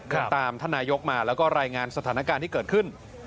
ก็ตามท่านนายกมาแล้วก็รายงานสถานการณ์ที่เกิดขึ้น